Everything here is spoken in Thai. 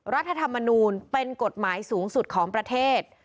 รัฐธรรมนูลเป็นกฎหมายสูงสุดของประเทศ